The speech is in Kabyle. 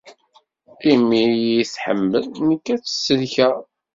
Imi i iyi-iḥemmel, nekk ad t-sellkeɣ.